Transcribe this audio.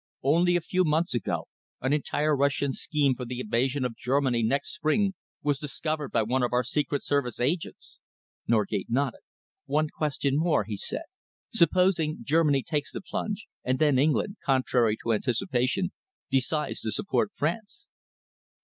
Only a few months ago, an entire Russian scheme for the invasion of Germany next spring was discovered by one of our Secret Service agents." Norgate nodded. "One question more," he said. "Supposing Germany takes the plunge, and then England, contrary to anticipation, decides to support France?"